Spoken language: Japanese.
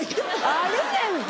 あるねんて！